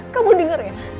kamu dengar ya